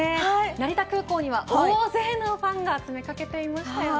成田空港には大勢のファンが詰めかけていましたね。